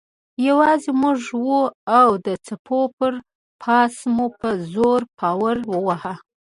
یوازې موږ وو او د څپو پر پاسه مو په زور پارو واهه.